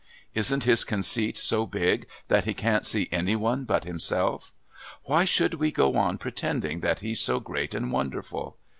Isn't his conceit so big that he can't see any one but himself. Why should we go on pretending that he's so great and wonderful?